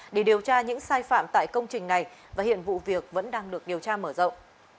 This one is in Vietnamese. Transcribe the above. để điều tra những sai phạm tại công trình này và hiện vụ việc vẫn đang được điều tra mở rộng